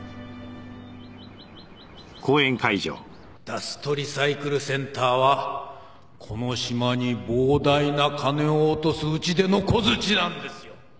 ダストリサイクルセンターはこの島に膨大な金を落とす打ち出の小づちなんですよ。